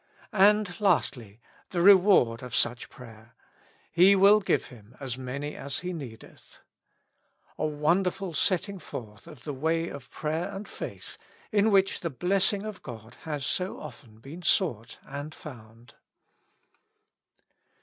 '^ And lastly, the reward of such prayer: " he will give him as many as he needeth^ A wonderful setting forth of the way of prayer and faith in which the blessing of God has so often been sought and found.